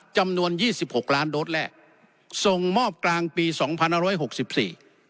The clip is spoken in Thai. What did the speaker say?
จำนวนยี่สิบหกล้านโดสแรกส่งมอบกลางปีสองพันห้าร้อยหกสิบสี่